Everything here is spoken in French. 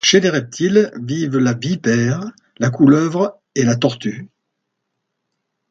Chez les reptiles vivent la vipère, la couleuvre et la tortue.